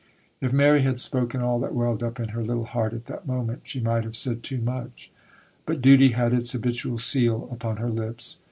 If Mary had spoken all that welled up in her little heart at that moment, she might have said too much; but duty had its habitual seal upon her lips.